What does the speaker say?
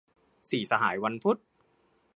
สี่สหายวันพุธ